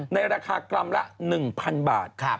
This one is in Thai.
ในราคากรัมละ๑๐๐๐บาท